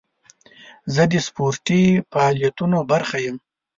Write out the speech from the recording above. زه د سپورتي فعالیتونو برخه یم.